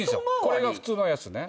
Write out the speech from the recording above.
これが普通のやつね。